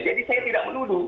jadi saya tidak menuduh